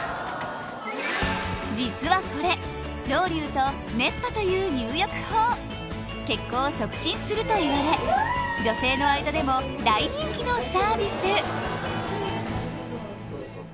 実はこれロウリュと熱波という入浴法血行を促進するといわれ女性の間でも大人気のサービス